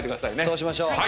そうしましょう。